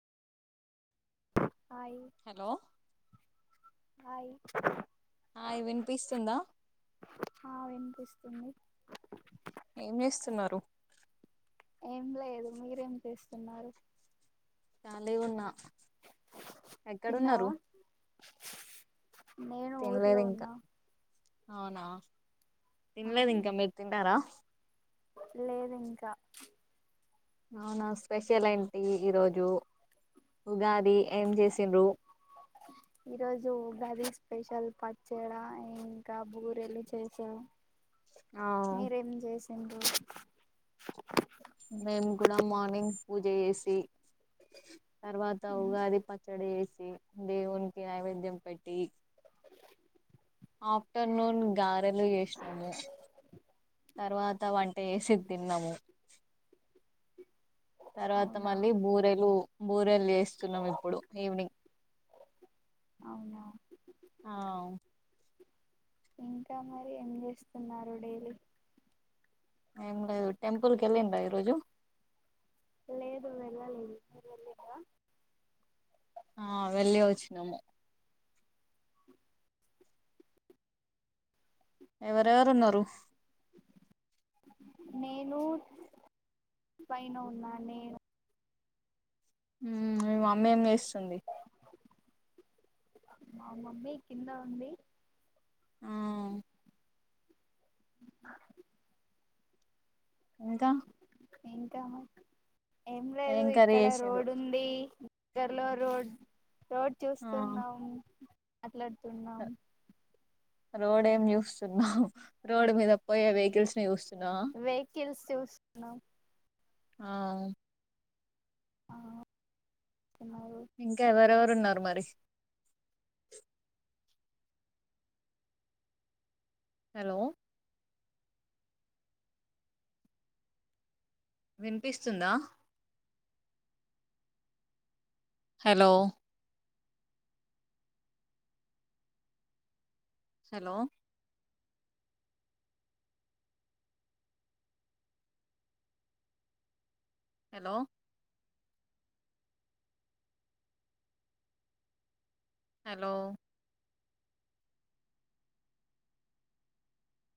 hi hello hi hi వినిపిస్తుందా ఆ వినిపిస్తుంది ఏం చేస్తున్నారు ఏం లేదు మీరేం చేస్తున్నారు కాలీ ఉన్నా ఎక్కడ తిన్నావా ఉన్నరు నేను ఊర్లో ఇంకా ఉన్నా అవునా తినలేదు అవును ఇంకా మీరు తిన్నరా లేదు ఇంకా అవునా స్పెషల్ ఏంటి ఈరోజు ఉగాది ఏం చేసిండ్రు ఈరోజు ఉగాది స్పెషల్ పచ్చడా ఇంకా బూరెలు చేసా ఆ మీరేం చేసి ఎన్రో మేము కూడా మార్నింగ్ పూజ చేసి తర్వాత ఉగాది పచ్చడి చేస్ దేవునికి నైవేద్యం పెట్టి ఆఫ్టర్నూన్ గారెలు చేసినము తర్వాత వంట చేసి తిన్నము తర్వాత అవునా మళ్ళీ బూరెలు బు రెల్ చేస్తున్నాం ఇప్పుడు ఈవినింగ్ అవునా ఆ ఇంకా మరి ఏం చేస్తున్నారు డైలీ ఏమి లేదు టెంపుల్కి వెళ్ళిండ్రా ఈరోజు [inaudible] ఆ వెళ్ళి వచ్చినము [inaudible] ఎవరెవరు ఉన్నారు నేను పైన ఉన్నా నేను మే మమ్మి ఏం చేస్తుంది మా మమ్మీ కింద ఉంది ఆ [inaudible] ఇంకా ఏంకా మా ఏం లేదు కర్రీ ఇక్కడ చేసిండ్రు రోడ్ ఉంది కర్లూర్ రోడ్ రోడ్ ఆ చూస్తున్నాం మాట్లాడుతున్నాం రోడ్ ఏం చూస్తున్నాం రోడ్ మీద పోయే వెహికల్స్ ని చూస్తు వెహికల్స్ చూస్తున్నా ఆ ఆ ఇంకా ఎవరెవర్ న్నారు మారి హలో వినిపిస్తుందా హలో హలో హలో హలో